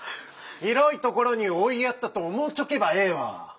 広いところに追いやったと思うちょけばええわ。